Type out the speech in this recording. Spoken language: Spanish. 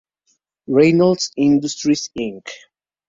Reynolds Industries, Inc".